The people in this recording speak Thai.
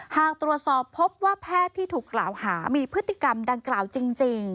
หากตรวจสอบพบว่าแพทย์ที่ถูกกล่าวหามีพฤติกรรมดังกล่าวจริง